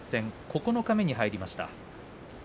九日目に入りました。